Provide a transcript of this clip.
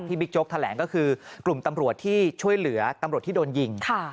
บิ๊กโจ๊กแถลงก็คือกลุ่มตำรวจที่ช่วยเหลือตำรวจที่โดนยิง